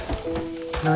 何？